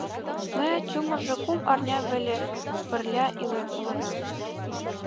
Ме чумыржо кум арня веле пырля илен улына.